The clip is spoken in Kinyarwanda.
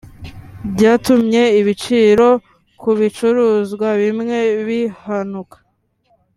Byatumye ibiciro ku bicuruzwa bimwe bihanuka